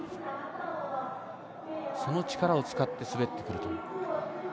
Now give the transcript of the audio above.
その力を使って滑ってくると。